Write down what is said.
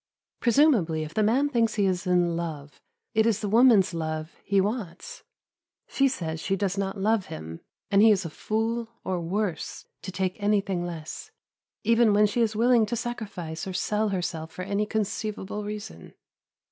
Presumably if the man thinks he is in love, it is the woman's love he wants. She says she does not love him, and he is a fool, or worse, to take anything less, even when she is willing to sacrifice or sell herself for any conceivable reason.